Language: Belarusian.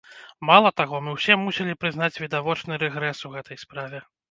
Мала таго, мы ўсе мусілі прызнаць відавочны рэгрэс у гэтай справе.